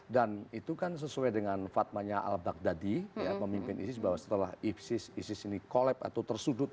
dan itu kan sesuai dengan fatmanya al baghdadi memimpin isis bahwa setelah isis ini tersebut tersebut tersebut tersebut tersebut